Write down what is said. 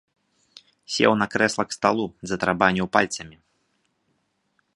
Сеў на крэсла к сталу, затарабаніў пальцамі.